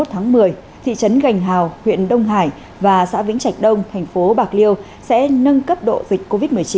hai mươi tháng một mươi thị trấn gành hào huyện đông hải và xã vĩnh trạch đông thành phố bạc liêu sẽ nâng cấp độ dịch covid một mươi chín